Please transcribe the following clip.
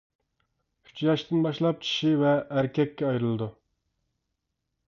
ئۈچ ياشتىن باشلاپ چىشى ۋە ئەركەككە ئايرىلىدۇ.